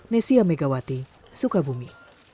nesia megawati sukabumi